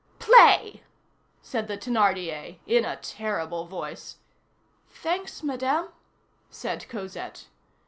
"Play!" said the Thénardier, in a terrible voice. "Thanks, Madame," said Cosette.